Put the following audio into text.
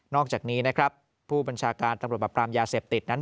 อกจากนี้นะครับผู้บัญชาการตำรวจปรับปรามยาเสพติดนั้น